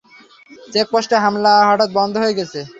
চেকপোস্টে হামলা হঠাৎ বন্ধ হয়ে গেছে।